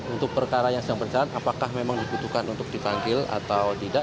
untuk perkara yang sedang berjalan apakah memang dibutuhkan untuk dipanggil atau tidak